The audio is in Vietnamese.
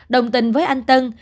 đồng tình với anh tân